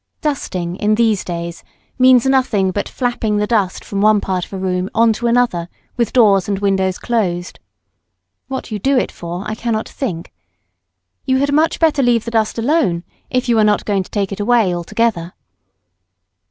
Dusting in these days means nothing but flapping the dust from one part of a room on to another with doors and windows closed. What you do it for I cannot think. You had much better leave the dust alone, if you are not going to take it away altogether.